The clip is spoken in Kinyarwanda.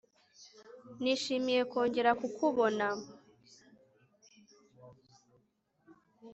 nishimiye kongera kukubona